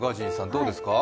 どうですか。